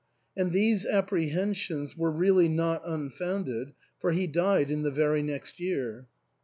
And these apprehensions were really not unfounded, for he died in the very next year.